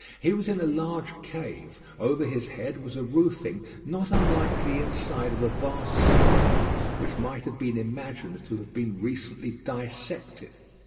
He was in a large cave. Over his head was a roofing not unlike the inside of a vast skull, which might have been imagined to have been recently dissected.